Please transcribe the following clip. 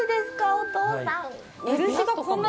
お父さん。